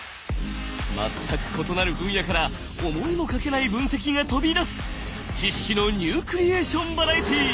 全く異なる分野から思いもかけない分析が飛び出す知識のニュークリエーションバラエティー！